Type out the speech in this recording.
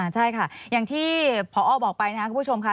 ใช่ค่ะอย่างที่พอบอกไปนะครับคุณผู้ชมค่ะ